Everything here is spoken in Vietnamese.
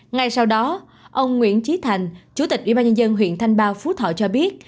ngay sau đó ông nguyễn trí thành chủ tịch ủy ban nhân dân huyện thanh ba phú thọ cho biết